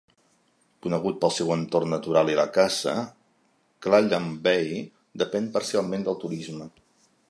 Conegut pel seu entorn natural i la caça, Clallam Bay depèn parcialment del turisme.